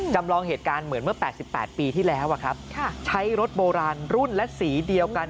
จำลองเหตุการณ์เหมือนเมื่อ๘๘ปีที่แล้วใช้รถโบราณรุ่นและสีเดียวกัน